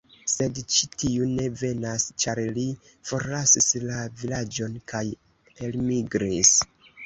Sed ĉi tiu ne venas, ĉar li forlasis la vilaĝon kaj elmigris.